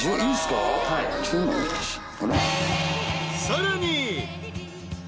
［さらに］